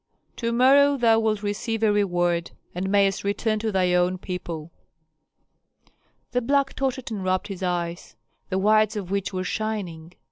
To morrow thou wilt receive a reward and mayst return to thy own people." The black tottered and rubbed his eyes, the whites of which were shining.